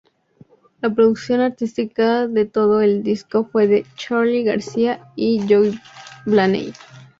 La producción artística de todo el disco fue de Charly García y Joe Blaney.